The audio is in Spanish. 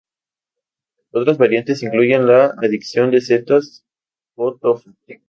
Otras variantes incluyen la adición de setas o tofu.